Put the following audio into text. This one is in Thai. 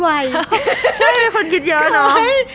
ไม่ให้คนคิดเยอะเนอะ